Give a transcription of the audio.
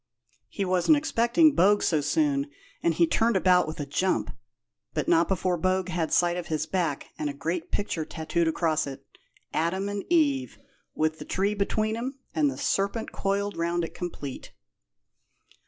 He wasn't expecting Bogue so soon, and he turned about with a jump, but not before Bogue had sight of his back and a great picture tattooed across it Adam and Eve, with the tree between 'em, and the serpent coiled around it complete."